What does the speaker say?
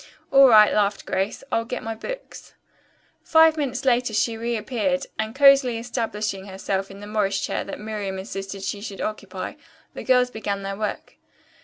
"All right," laughed Grace. "I'll get my books." Five minutes later she reappeared and, cosily establishing herself in the Morris chair that Miriam insisted she should occupy, the girls began their work.